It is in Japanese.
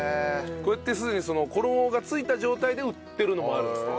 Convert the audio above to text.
こうやってすでに衣が付いた状態で売ってるのもあるんですって。